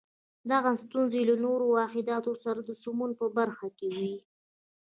دغه ستونزې یې له نورو واحداتو سره د سمون په برخه کې وې.